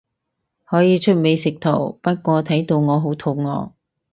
可以出美食圖，不過睇到我好肚餓